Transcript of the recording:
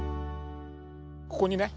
ここにね